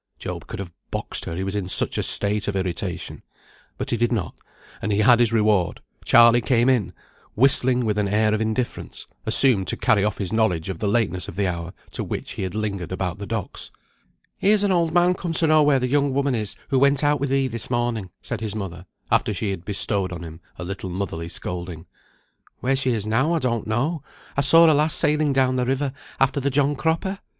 Job could have boxed her, he was in such a state of irritation. But he did not, and he had his reward. Charley came in, whistling with an air of indifference, assumed to carry off his knowledge of the lateness of the hour to which he had lingered about the docks. "Here's an old man come to know where the young woman is who went out with thee this morning," said his mother, after she had bestowed on him a little motherly scolding. "Where she is now, I don't know. I saw her last sailing down the river after the John Cropper.